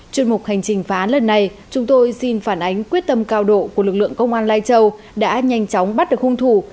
chuyên mục hành trình phá lần này chúng tôi xin phản ánh quyết tâm cao độ của lực lượng công an lai châu đã nhanh chóng bắt được hung thủ